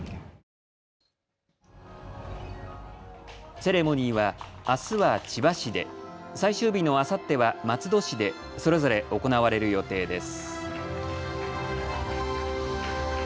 セレモニーは、あすは千葉市で、最終日のあさっては松戸市で、それぞれ行われる予定です。